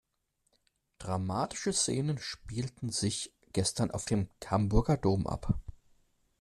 Dramatische Szenen spielten sich gestern auf dem Hamburger Dom ab.